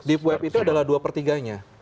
deep web itu adalah dua per tiganya